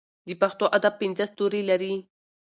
د پښتو ادب پنځه ستوري لري.